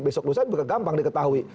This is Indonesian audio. besok besok gampang diketahui